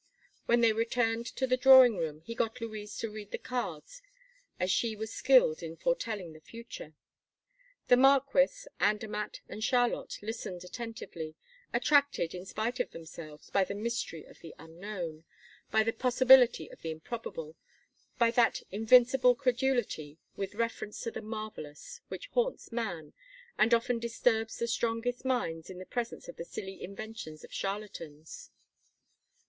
When they returned to the drawing room, he got Louise to read the cards, as she was skilled in foretelling the future. The Marquis, Andermatt, and Charlotte listened attentively, attracted, in spite of themselves, by the mystery of the unknown, by the possibility of the improbable, by that invincible credulity with reference to the marvelous which haunts man, and often disturbs the strongest minds in the presence of the silly inventions of charlatans.